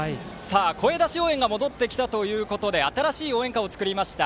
声出し応援が戻ってきたということで新しい応援歌を作りました。